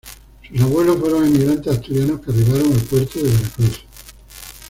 Sus abuelos fueron inmigrantes asturianos que arribaron al puerto de Veracruz.